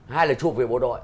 hai là chủ việc bộ đội